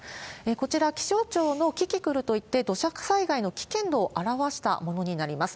こちら、気象庁のキキクルといって、土砂災害の危険度を表したものになります。